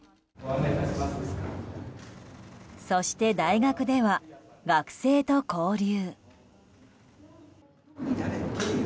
そして、大学では学生と交流。